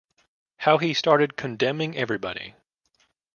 How he started condemning everybody.